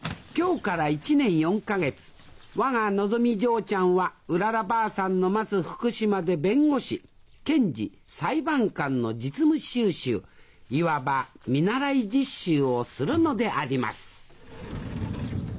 のぞみ嬢ちゃんはうららばあさんの待つ福島で弁護士検事裁判官の実務修習いわば見習い実習をするのであります